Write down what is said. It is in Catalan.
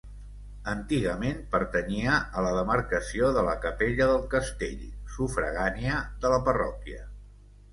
Antigament pertanyia a la demarcació de la Capella del Castell, sufragània de la parròquia.